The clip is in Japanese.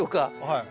はい。